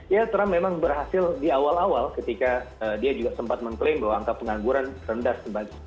ya trump memang berhasil di awal awal ketika dia juga sempat mengklaim bahwa ya trump memang berhasil di awal awal ketika dia juga sempat mengklaim bahwa